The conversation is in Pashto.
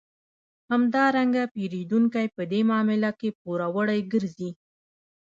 همدارنګه پېرودونکی په دې معامله کې پوروړی ګرځي